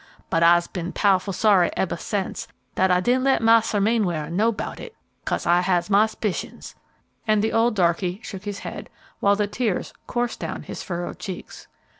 But I'se ben pow'ful sorry eber sence dat I didn' let mars'r Mainwaring know 'bout it, 'case I has my 'spicions," and the old darkey shook his head, while the tears coursed down his furrowed cheeks.